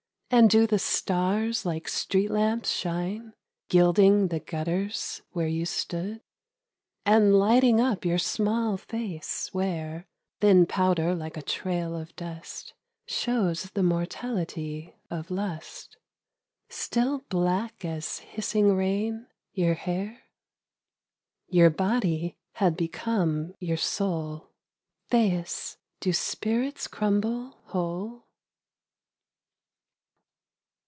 And do the stars like street lamps shine Gilding the gutters where you stood, And lighting up your .small face where Thin powder like a trad of dust, IWS the mortality of lust. ... Still black as hissing rain, your hair ? Your body bad become your soul. ... Thais, do spirits crumble whole